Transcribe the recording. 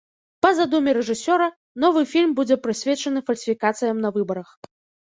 Па задуме рэжысёра, новы фільм будзе прысвечаны фальсіфікацыям на выбарах.